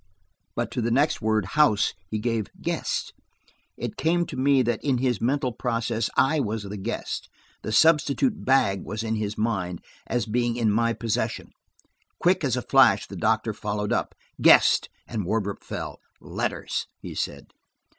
But, to the next word, "house," he gave "guest." It came to me that in his mental process I was the guest, the substitute bag was in his mind, as being in my possession. Quick as a flash the doctor followed up– "Guest." And Wardrop fell. "Letters," he said.